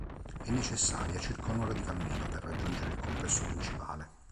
È necessaria circa un'ora di cammino per raggiungere il complesso principale.